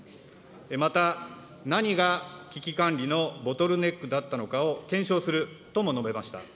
また何が危機管理のボトルネックだったのかを検証するとも述べました。